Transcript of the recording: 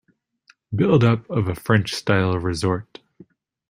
Build-up of a French style resort.